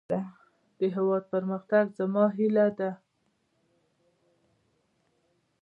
د هيواد پرمختګ زما هيله ده.